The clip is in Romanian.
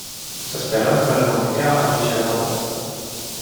Să sperăm că îl vom putea aduce înapoi.